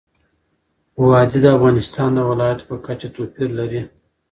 وادي د افغانستان د ولایاتو په کچه توپیر لري.